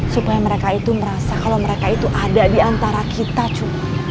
supaya mereka itu merasa kalau mereka itu ada di antara kita cuma